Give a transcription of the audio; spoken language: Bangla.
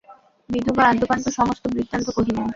বিধবা আদ্যোপান্ত সমস্ত বৃত্তান্ত কহিলেন।